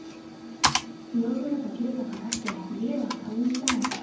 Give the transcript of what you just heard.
ヨーグルト切れたからって利恵は買いに行ったの。